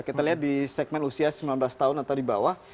kita lihat di segmen usia sembilan belas tahun atau di bawah